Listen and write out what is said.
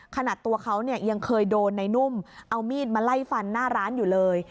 ขนาดตัวเขาเนี่ยยังเคยโดนในนุ่มเอามีดมาไล่ฟันหน้าร้านอยู่เลย